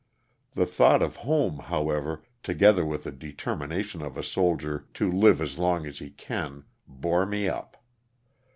The thought of home, however, together with the determination of a soldier '' to live as long as he can," bore me up.